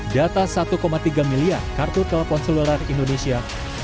data satu tiga miliar kartu telepon seluruh indonesia